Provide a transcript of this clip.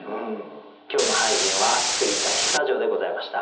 今日の俳人は杉田久女でございました。